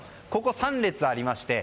３列ありまして